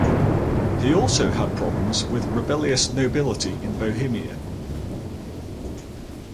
He also had problems with rebellious nobility in Bohemia.